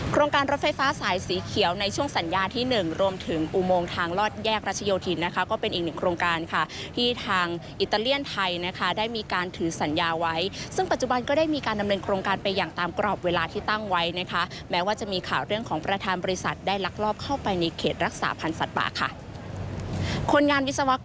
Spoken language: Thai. การรถไฟฟ้าสายสีเขียวในช่วงสัญญาที่๑รวมถึงอุโมงทางลอดแยกรัชโยธินนะคะก็เป็นอีกหนึ่งโครงการค่ะที่ทางอิตาเลียนไทยนะคะได้มีการถือสัญญาไว้ซึ่งปัจจุบันก็ได้มีการดำเนินโครงการไปอย่างตามกรอบเวลาที่ตั้งไว้นะคะแม้ว่าจะมีข่าวเรื่องของประธานบริษัทได้ลักลอบเข้าไปในเขตรักษาพันธ์สัตว์ป่าค่ะ